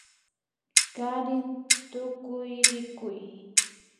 Kari tukuyrikuy